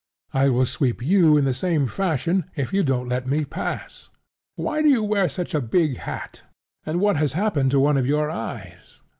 I will sweep you in the same fashion if you don't let me pass. Why do you wear such a big hat; and what has happened to one of your eyes?